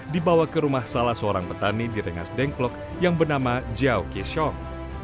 dibawa ke rumah salah seorang petani di rengas dengklok yang bernama jiaoke shong